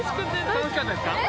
楽しかったです。